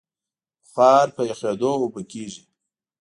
بخار په یخېدو اوبه کېږي.